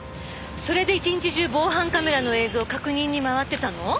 それで一日中防犯カメラの映像を確認に回ってたの？